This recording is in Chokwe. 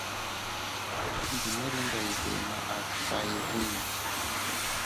Ngunalinga yipema athu kayivile.